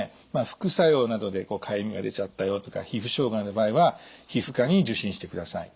副作用などでかゆみが出ちゃったよとか皮膚障害の場合は皮膚科に受診してください。